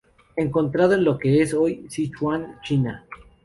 Encontrado en lo que es hoy Sichuan, China.